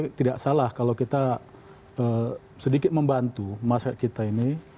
ini tidak salah kalau kita sedikit membantu masyarakat kita ini